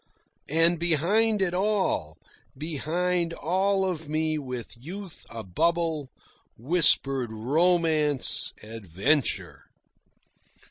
And behind it all, behind all of me with youth abubble, whispered Romance, Adventure.